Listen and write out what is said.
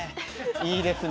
いいですね！